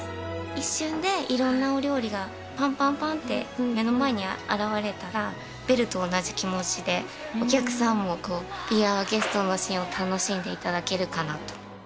一瞬でいろんなお料理がぱんぱんぱんって、目の前に現れたら、ベルと同じ気持ちで、お客さんもビーアワゲストのシーンを楽しんでいただけるかなと。